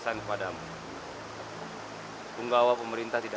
yang penting adalah pacaran kita